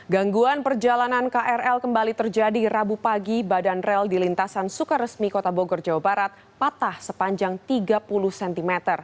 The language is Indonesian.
gangguan perjalanan krl kembali terjadi rabu pagi badan rel di lintasan sukaresmi kota bogor jawa barat patah sepanjang tiga puluh cm